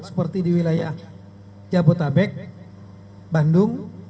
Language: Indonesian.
seperti di wilayah jabotabek bandung